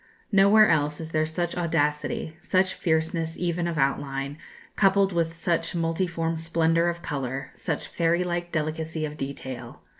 Nowhere else is there such audacity, such fierceness even of outline, coupled with such multiform splendour of colour, such fairy like delicacy of detail.